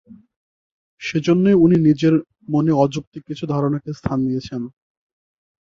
সেজন্যই উনি নিজের মনে অযৌক্তিক কিছু ধারণাকে স্থান দিয়েছেন।